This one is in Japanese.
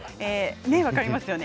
分かりますよね。